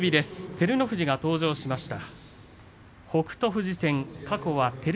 照ノ富士が登場しました。